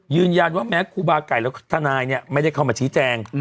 ยืนยันว่าแม้ครูบาไก่แล้วทนายเนี่ยไม่ได้เข้ามาชี้แจง